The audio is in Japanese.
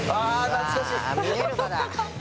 懐かしい。